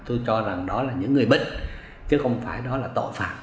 tôi cho rằng đó là những người bệnh chứ không phải đó là tội phạm